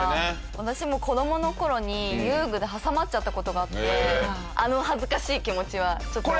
私も子どもの頃に遊具で挟まっちゃった事があってあの恥ずかしい気持ちはちょっとわかります。